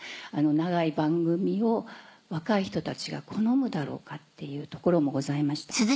長い番組を若い人たちが好むだろうかっていうところもございました。